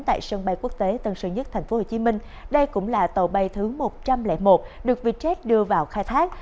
tại sân bay quốc tế tân sơn nhất tp hcm đây cũng là tàu bay thứ một trăm linh một được vietjet đưa vào khai thác